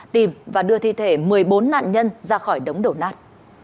tìm và đưa thi thể một mươi bốn nạn nhân ra khỏi đống đổ nát